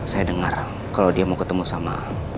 saya dengar kalau dia mau ketemu sama